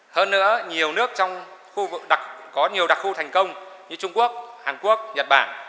hơn nữa nhiều nước trong khu vực có nhiều đặc khu thành công như trung quốc hàn quốc nhật bản